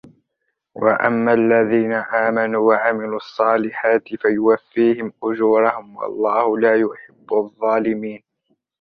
وَأَمَّا الَّذِينَ آمَنُوا وَعَمِلُوا الصَّالِحَاتِ فَيُوَفِّيهِمْ أُجُورَهُمْ وَاللَّهُ لَا يُحِبُّ الظَّالِمِينَ